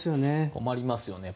困りますよね。